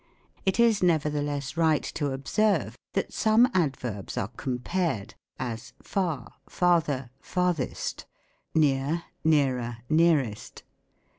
It is, nevertheless, right to observe, that some adverbs are compared : as, far, far ther, farthest ; near, nearer, nearest.